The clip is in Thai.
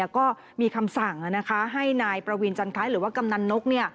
ก็มีคำสั่งให้นายประวีนจันคล้ายหรือว่ากำนันนก